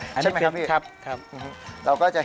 คือเนื้อนานน้ำแบบนี้นะครับใส่ข้าวเข้าไปแถวท้องเขานะครับ